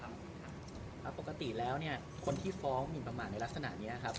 ปกติแล้วเนี่ยคนที่ฟ้องหมินประมาทในลักษณะนี้ครับ